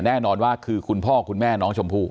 แน่นอนว่าคือคุณพ่อคุณแม่น้องชมพู่